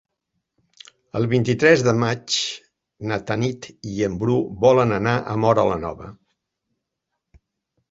El vint-i-tres de maig na Tanit i en Bru volen anar a Móra la Nova.